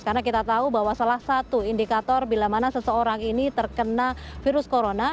karena kita tahu bahwa salah satu indikator bila mana seseorang ini terkena virus corona